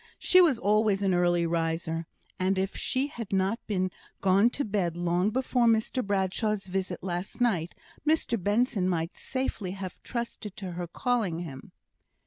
She was always an early riser; and if she had not been gone to bed long before Mr Bradshaw's visit last night, Mr Benson might safely have trusted to her calling him.